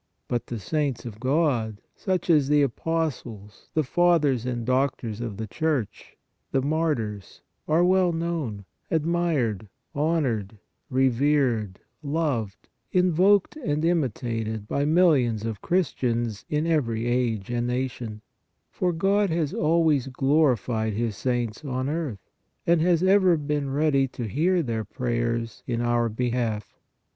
But the saints of God, such as the apostles, the Fathers and doctors of the Church, the martyrs, are well known, admired, hon ored, revered, loved, invoked and imitated by mil lions of Christians in every age and nation, for God has always glorified His saints on earth, and has ever been ready to hear their prayers in our be half.